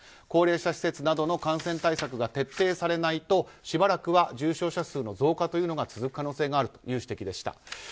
高齢者施設などの感染対策が徹底されないとしばらくは重症者数の増加が続く可能性があるという指摘でした。